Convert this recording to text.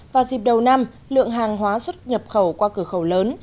vào dịp đầu năm lượng hàng hóa xuất nhập khẩu qua cửa khẩu lớn